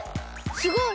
すごい！